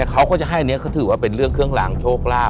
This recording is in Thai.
เขาก็จะให้อันนี้เขาถือว่าเป็นเรื่องเครื่องรางโชคลาภ